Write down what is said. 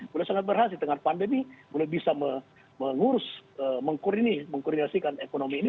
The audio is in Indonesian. beliau sangat berhasil di tengah pandemi beliau bisa mengurus mengkoordinasikan ekonomi ini